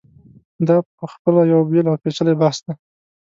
دا په خپله یو بېل او پېچلی بحث دی.